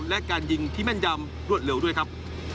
และการยิงที่แม่นยำรวดเร็วด้วยครับ